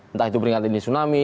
entah itu peringatan di tsunami